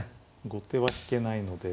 後手は引けないので。